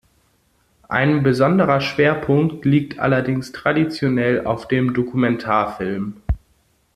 Ein besonderer Schwerpunkt liegt allerdings traditionell auf dem Dokumentarfilm.